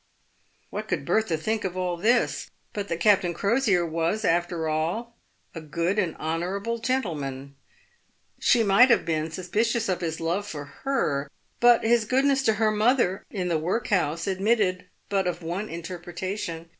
What could Bertha think of all this, but that Captain Crosier was, after all, a good and honourable gentleman ? She might have been suspicious of his love for her, but his goodness to her mother in the workhouse admitted but of one interpretation.